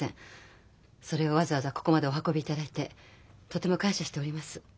それをわざわざここまでお運びいただいてとても感謝しております。